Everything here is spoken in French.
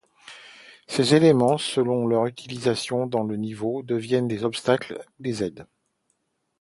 Ces éléments, selon leurs utilisations dans le niveau, deviennent des obstacles ou des aides.